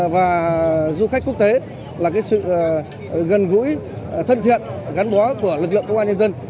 và du khách quốc tế là sự gần gũi thân thiện gắn bó của lực lượng công an nhân dân